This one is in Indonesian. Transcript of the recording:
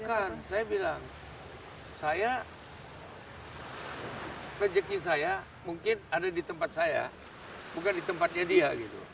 bukan saya bilang saya rejeki saya mungkin ada di tempat saya bukan di tempatnya dia